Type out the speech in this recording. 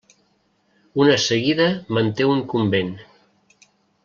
Una seguida manté un convent.